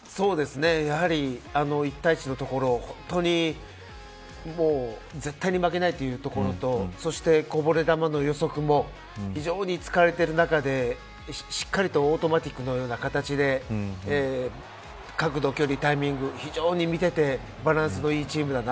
やはり、１対１のところ本当にもう絶対に負けないというところとそして、こぼれ球の予測も非常に疲れている中でしっかりとオートマティックのような形で角度、距離、タイミング非常に見ていてバランスのいいチームだな。